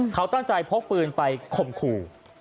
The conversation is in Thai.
เขาตั้งใจพกปืนไปข่มขู่